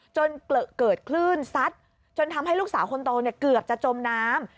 จนเกิดคลื่นซัดจนทำให้ลูกสาวคนโตเนี่ยเกือบจะจมน้ำ